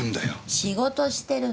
仕事してるの！